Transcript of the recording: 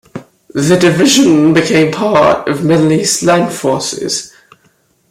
The division became part of Middle East Land Forces.